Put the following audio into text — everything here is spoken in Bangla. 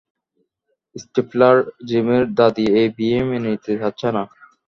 স্টিফলার, জিমের দাদি এই বিয়ে মেনে নিতে চাচ্ছে না।